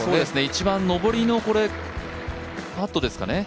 一番上りのパットですかね。